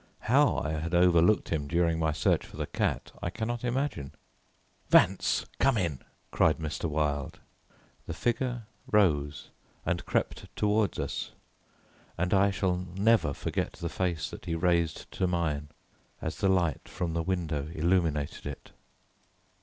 How I had overlooked him during my search for the cat, I cannot imagine. "Vance, come in," cried Mr. Wilde. The figure rose and crept towards us, and I shall never forget the face that he raised to mine, as the light from the window illuminated it.